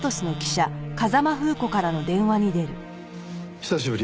久しぶり。